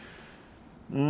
うん。